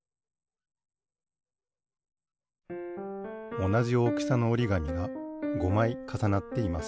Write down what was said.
おなじおおきさのおりがみが５まいかさなっています。